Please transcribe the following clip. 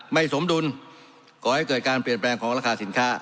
สมดุลก่อให้เกิดการเปลี่ยนแปลงของราคาสินค้า